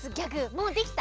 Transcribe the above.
もうできた？